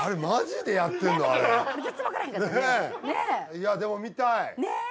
いやでも見たい！ねえ！